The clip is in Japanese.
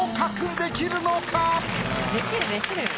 できるできるよ。